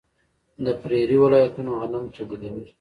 د پریري ولایتونه غنم تولیدوي.